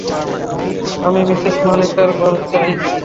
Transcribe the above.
আমি মিসেস মালিকার ঘর চাই।